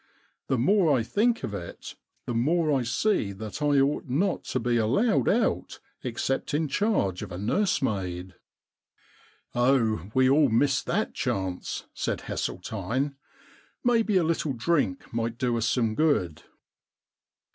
The more I think of it, the more I see that I ought not to be allowed out except in charge of a nursemaid.* * Oh, we all missed that chance,* said Hesseltine. * Maybe a little drink might do us some good.'